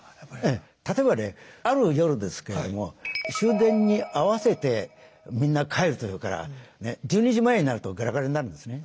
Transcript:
例えばねある夜ですけれども終電に合わせてみんな帰るというから１２時前になるとガラガラになるんですね。